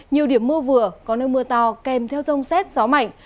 nhiều điểm mưa vừa có nơi mưa to kèm theo rông xét gió mạnh